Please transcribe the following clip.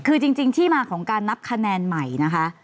คือจริงที่มาของการนับคะแนนใหม่นะคะ